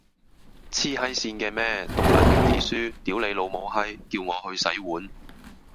癡閪線嘅咩，讀撚完啲書，屌你老母閪，叫我去洗碗